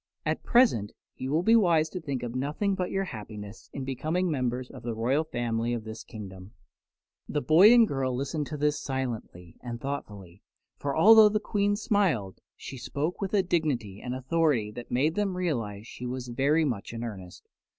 At present you will be wise to think of nothing but your happiness in becoming members of the royal family of this kingdom." The boy and girl listened to this silently and thoughtfully, for although the Queen smiled, she spoke with a dignity and authority that made them realize she was very much in earnest.